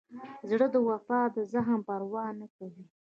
زړه د وفا د زخم پروا نه کوي.